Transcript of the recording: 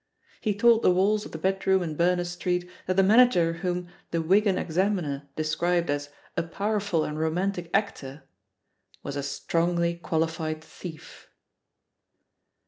He told the walls of the bed room in Bemers Street that the manager whom The Wigan Examiner described as "a powerful and romantic actor" was a strongly qualified thief.